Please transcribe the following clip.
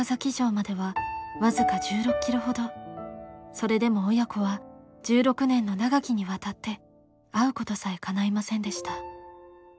それでも親子は１６年の長きにわたって会うことさえかないませんでした。